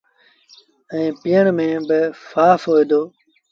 ائيٚݩ پيٚئڻ ميݩ با سآڦ هوئي دو۔